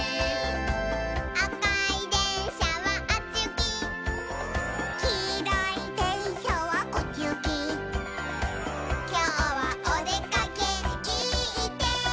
「あかいでんしゃはあっちゆき」「きいろいでんしゃはこっちゆき」「きょうはおでかけいいてんき」